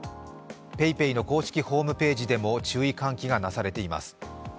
ＰａｙＰａｙの公式ホームページでも注意喚起がなされています。